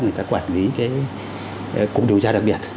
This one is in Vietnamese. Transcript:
người ta quản lý cái cục điều tra đặc biệt